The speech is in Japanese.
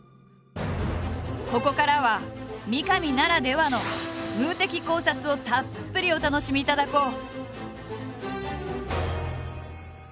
ここからは三上ならではの「ムー」的考察をたっぷりお楽しみいただこう。